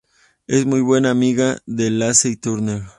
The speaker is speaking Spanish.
Es muy buena amiga de Lacey Turner.